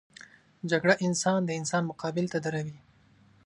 جګړه انسان د انسان مقابل ته دروي